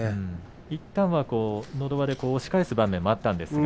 いったんはのど輪で押し返す場面もありましたが。